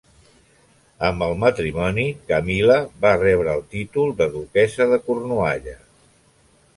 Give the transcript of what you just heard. Amb el matrimoni, Camil·la va rebre el títol de Duquessa de Cornualla.